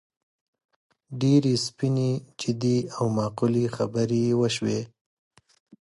ډېرې سپینې، جدي او معقولې خبرې وشوې.